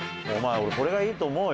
俺これがいいと思うよ。